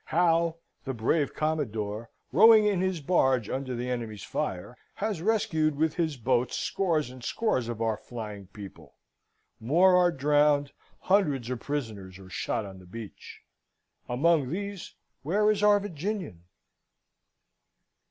Howe, the brave Commodore, rowing in his barge under the enemy's fire, has rescued with his boats scores and scores of our flying people. More are drowned; hundreds are prisoners, or shot on the beach. Among these, where is our Virginian?